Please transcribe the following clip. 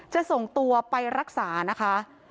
จะส่งตัวไปรักษานะคะ